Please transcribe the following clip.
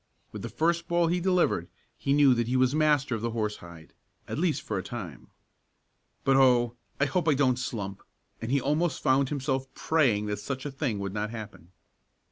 With the first ball he delivered he knew that he was master of the horsehide at least for a time. "But oh! I hope I don't slump!" and he almost found himself praying that such a thing would not happen.